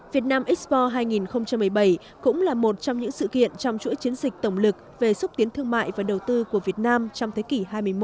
việt nam expo hai nghìn một mươi bảy cũng là một trong những sự kiện trong chuỗi chiến dịch tổng lực về xúc tiến thương mại và đầu tư của việt nam trong thế kỷ hai mươi một